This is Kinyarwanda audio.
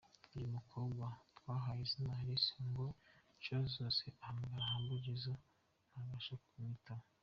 Uyu mukobwa twahaye izina ‘Alice’ ngo inshuro zose ahamagara Humble Jizzo ntabasha kumwitaba.